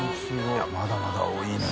いまだまだ多いね。